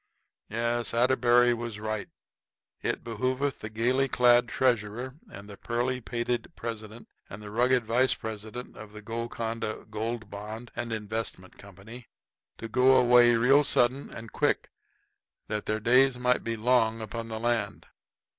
Yes, Atterbury was right; it behooveth the gaily clad treasurer and the pearly pated president and the rugged vice president of the Golconda Gold Bond and Investment Company to go away real sudden and quick that their days might be longer upon the land.